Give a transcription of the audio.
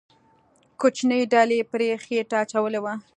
کوچنۍ ډلې پرې خېټه اچولې وه.